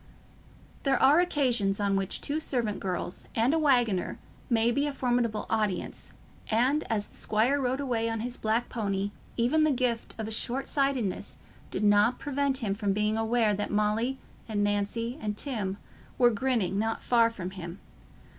There are occasions on which two servant girls and a waggoner may be a formidable audience, and as the squire rode away on his black pony, even the gift of short sightedness did not prevent him from being aware that Molly and Nancy and Tim were grinning not far from him.